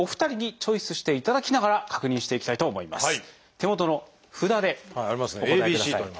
手元の札でお答えください。